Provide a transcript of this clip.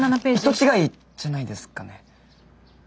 人違いじゃないですかね？